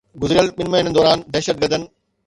گذريل ٻن مهينن دوران دهشتگردن